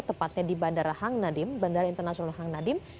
tepatnya di bandara hang nadiem bandara internasional hang nadiem